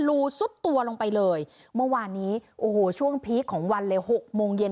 รูซุดตัวลงไปเลยเมื่อวานนี้โอ้โหช่วงพีคของวันเลยหกโมงเย็น